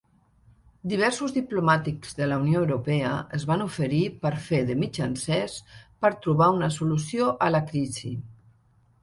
Diversos diplomàtics de la Unió Europea es van oferir per fer de mitjancers per trobar una solució a la crisi.